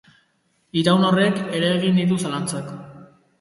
Itaun horrek ere eragin ditu zalantzak.